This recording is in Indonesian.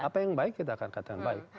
apa yang baik kita akan katakan baik